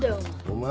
お前。